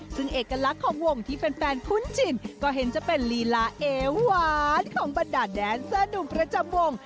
ซึ่งเอกลักษณ์ของวงที่แฟนคุ้นชินก็เห็นจะเป็นลีลาเอหวานของบรรดาแดนเซอร์หนุ่มประจำวง